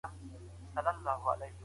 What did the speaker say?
زه باید اوبه وڅښم.